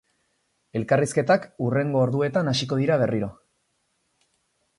Elkarrizketak hurrengo orduetan hasiko dira berriro.